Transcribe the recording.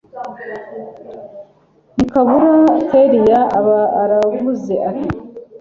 ntikabura kellia aba aravuze ati